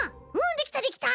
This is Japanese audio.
できたできた！